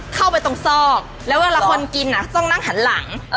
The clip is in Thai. เข้าไปตรงซอกแล้วเวลาคนกินต้องนั่งหันหลัง